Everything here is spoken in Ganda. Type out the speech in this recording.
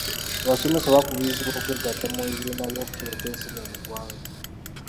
Abasomesa bakubirizibwa okwegatta mu bibiina by'okutereka ensimbi mu ggwanga.